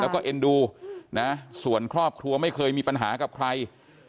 แล้วก็เอ็นดูนะส่วนครอบครัวไม่เคยมีปัญหากับใคร